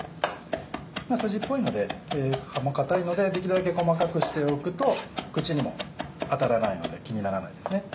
筋っぽいので葉も硬いのでできるだけ細かくしておくと口にも当たらないので気にならないですね。